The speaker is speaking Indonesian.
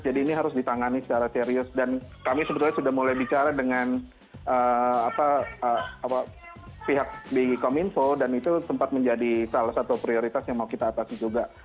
jadi ini harus ditangani secara serius dan kami sebetulnya sudah mulai bicara dengan pihak bgkominfo dan itu sempat menjadi salah satu prioritas yang mau kita atasi juga